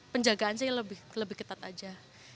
penjagaan sih lebih ketat aja